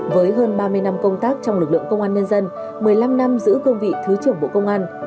với hơn ba mươi năm công tác trong lực lượng công an nhân dân một mươi năm năm giữ cương vị thứ trưởng bộ công an